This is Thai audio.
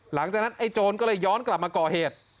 หลังจากนั้นไอ้โจรก็เลยย้อนกลับมาก่อเหตุ